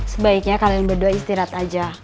sebaiknya kalian berdua istirahat aja